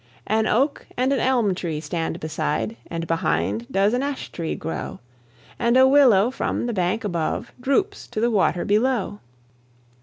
An oak and an elm tree stand beside, And behind does an ash tree grow, And a willow from the bank above Droops to the water below.